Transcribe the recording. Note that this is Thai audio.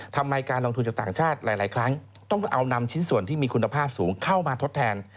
ทำไมการลงทุนจากต่างชาติหลายครั้งต้องเอานำชิ้นส่วนที่มีคุณภาพสูงเข้ามาทดแทน